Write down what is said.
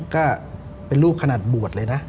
ก็เป็นรูปขนาดบวชเลยนะ